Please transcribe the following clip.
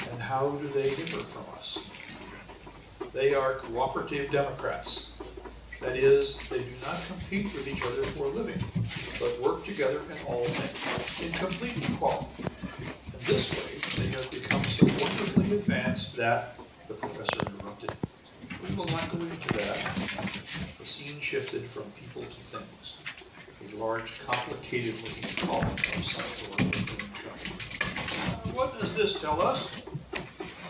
"And how do they differ from us?" "They are 'cooperative democrats'; that is, they do not compete with each other for a living, but work together in all things, in complete equality. In this way they have become so wonderfully advanced that " The professor interrupted. "We will not go into that." The scene shifted from people to things: a large, complicated looking column of some sort was being shown. "What does this tell us?"